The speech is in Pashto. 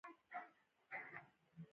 د منځني ختیځ یو شمېر سیمې لکه مصر وده وکړه.